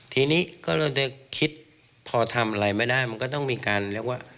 ทีนี้ก็เลยคิดพอทำอะไรไม่ได้มันก็ต้องมีการเรียกว่า